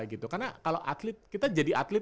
karena kalau atlet kita jadi atlet